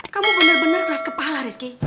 kamu bener bener keras kepala rizky